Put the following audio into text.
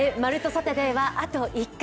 サタデー」はあと１回。